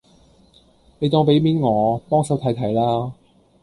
你當俾面我，幫手睇睇啦